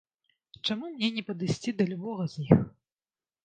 Чаму мне не падысці да любога з іх?